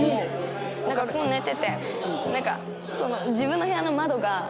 なんかこう寝ててなんか自分の部屋の窓が。